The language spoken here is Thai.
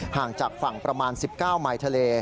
ห่างจากฝั่งประมาณ๑๙มายทะเล